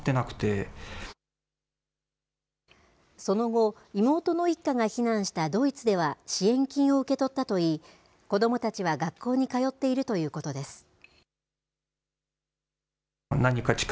その後、妹の一家が避難したドイツでは、支援金を受け取ったといい、子どもたちは学校に通っているということです。